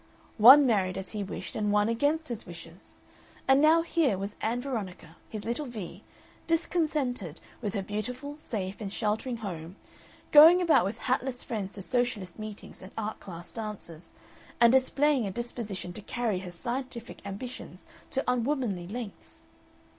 One married as he wished and one against his wishes, and now here was Ann Veronica, his little Vee, discontented with her beautiful, safe, and sheltering home, going about with hatless friends to Socialist meetings and art class dances, and displaying a disposition to carry her scientific ambitions to unwomanly lengths.